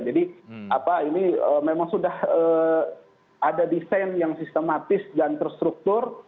jadi apa ini memang sudah ada desain yang sistematis dan terstruktur